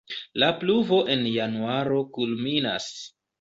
La pluvo en januaro kulminas.